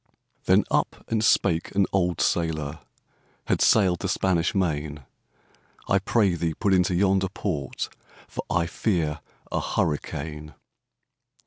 Then up and spake an old sailòr, Had sail'd the Spanish Main, 'I pray thee, put into yonder port, For I fear a hurricane.